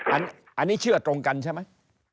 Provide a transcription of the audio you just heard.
อันนี้เชื่อตรงกันใช่ไหม